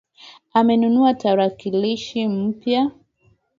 Amenunua tarakilishi mpya